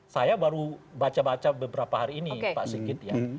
saya baru baca baca beberapa hari ini pak sigit ya